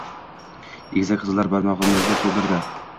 Egizak qizlar bag`rimizni to`ldirdi